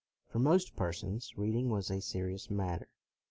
For most per sons, reading was a serious matter.